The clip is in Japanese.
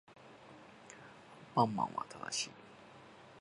アンパンマンは正しい